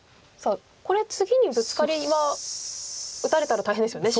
これ次にブツカリは打たれたら大変ですよね白。